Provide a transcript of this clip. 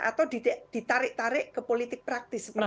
atau ditarik tarik ke politik praktis seperti itu